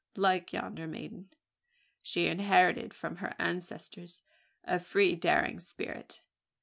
Like yonder maiden, she inherited from her ancestors a free daring spirit.